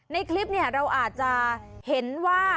ในคลิปเราอาจจะเห็นว่า